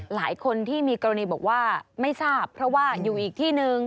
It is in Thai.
หลายคนที่มีกรณีบอกว่าไม่ทราบเพราะว่าอยู่อีกที่นึง